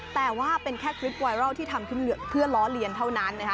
แต่ว่าเป็นแค่คลิปไวรัลที่ทำขึ้นเพื่อล้อเลียนเท่านั้นนะคะ